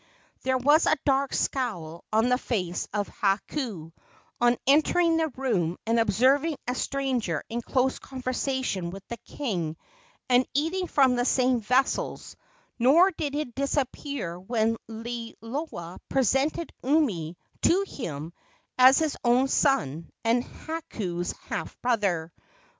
There was a dark scowl on the face of Hakau on entering the room and observing a stranger in close conversation with the king and eating from the same vessels, nor did it disappear when Liloa presented Umi to him as his own son and Hakau's half brother.